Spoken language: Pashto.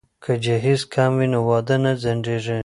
که جهیز کم وي نو واده نه ځنډیږي.